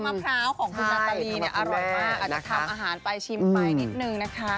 มะพร้าวของคุณนาตาลีเนี่ยอร่อยมากอาจจะทำอาหารไปชิมไปนิดนึงนะคะ